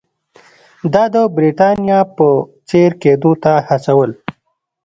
دا د برېټانیا په څېر کېدو ته هڅول.